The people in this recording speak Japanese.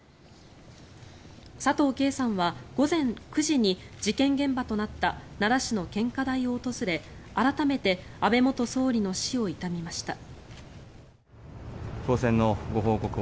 佐藤啓さんは午前９時に事件現場となった奈良市の献花台を訪れ改めて安倍元総理の死を悼みました。